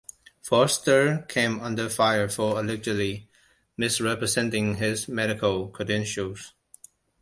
Forrester came under fire for allegedly misrepresenting his medical credentials.